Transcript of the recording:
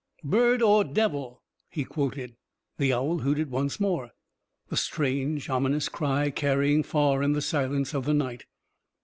"'Bird or devil?'" he quoted. The owl hooted once more, the strange ominous cry carrying far in the silence of the night.